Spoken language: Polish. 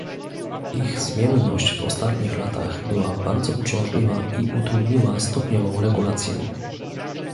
Ich zmienność w ostatnich latach była bardzo uciążliwa i utrudniła stopniową regulację